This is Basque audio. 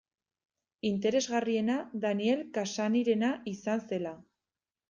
Interesgarriena Daniel Cassany-rena izan zela.